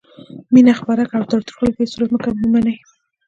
مینه خپره کړئ او تاوتریخوالی په هیڅ صورت مه منئ.